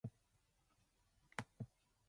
Ultimately, he became the local pastor at Narssaq.